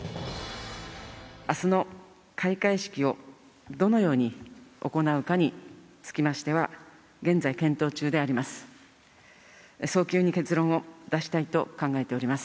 あすの開会式をどのように行うかにつきましては、現在、検討中であります。